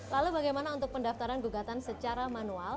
lalu bagaimana untuk pendaftaran gugatan secara manual